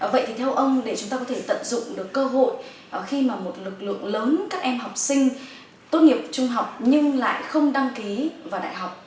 vậy thì theo ông để chúng ta có thể tận dụng được cơ hội khi mà một lực lượng lớn các em học sinh tốt nghiệp trung học nhưng lại không đăng ký vào đại học